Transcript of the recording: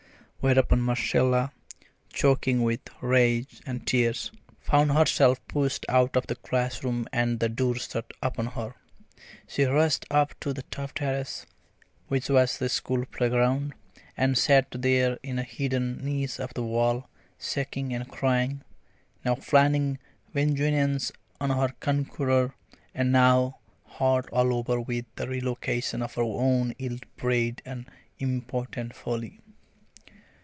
Whereupon Marcella, choking with rage and tears, found herself pushed out of the schoolroom and the door shut upon her. She rushed up to the top terrace, which was the school playground, and sat there in a hidden niche of the wall, shaking and crying, now planning vengeance on her conqueror, and now hot all over with the recollection of her own ill bred and impotent folly.